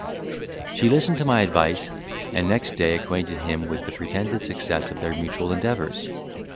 She listened to my advice, and next day acquainted him with the pretended success of their mutual endeavours.